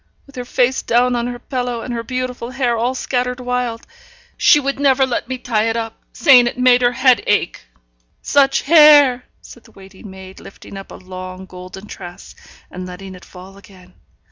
with her face down on her pillow, and her beautiful hair all scattered wild; she never would let me tie it up, saying it made her head ache. Such hair!' said the waiting maid, lifting up a long golden tress, and letting it fall again.